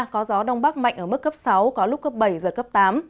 có gió đông bắc mạnh ở mức cấp sáu có lúc cấp bảy giật cấp tám